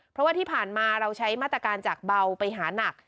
เพราะว่าที่ผ่านมาเราใช้มาตรการจากเบาไปหานัก